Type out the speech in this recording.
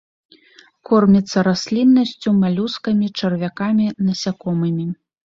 Корміцца расліннасцю, малюскамі, чарвякамі, насякомымі.